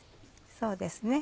そうですね。